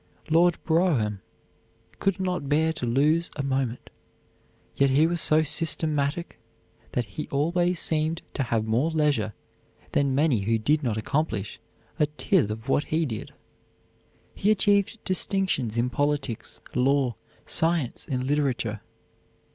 Lord Brougham could not bear to lose a moment, yet he was so systematic that he always seemed to have more leisure than many who did not accomplish a tithe of what he did. He achieved distinction in politics, law, science, and literature.